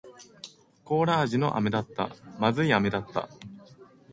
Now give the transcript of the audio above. コーラ味の飴だった。不味い飴だった。